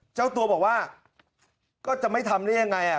เจ้าตัวบอกว่าก็จะไม่ทำได้ยังไงอ่ะ